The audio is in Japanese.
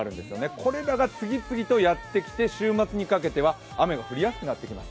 これらが次々とやってきて週末にかけては雨が降りやすくなってきます。